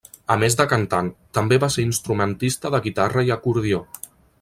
A més de cantant, també va ser instrumentista de guitarra i acordió.